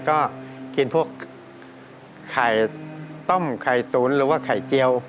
ก็กินพวกไข่ต้มไข่ตุ๋นหรือว่าไข่เจียว